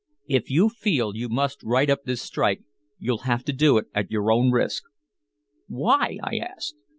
If you feel you must write up this strike you'll have to do it at your own risk." "Why?" I asked.